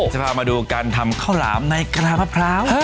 จะพามาดูการทำข้าวหลามในกระดามะพร้าว